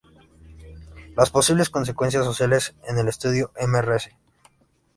Las posibles consecuencias sociales que el estudio de Mrs.